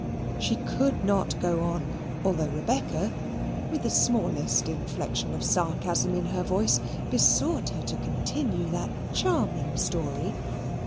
She could not go on, although Rebecca, with the smallest inflection of sarcasm in her voice, besought her to continue that charming story.